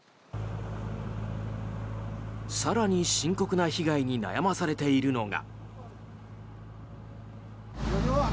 更に深刻な被害に悩まされているのが。